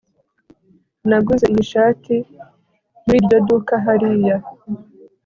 Naguze iyi shati muri iryo duka hariya